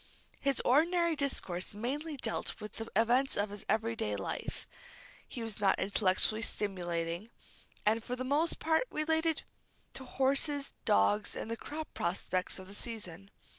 His ordinary discourse mainly dealt with the events of his everyday life. It was not intellectually stimulating, and for the most part related to horses, dogs, and the crop prospects of the season.